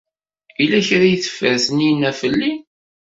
Yella kra ay teffer Taninna fell-i?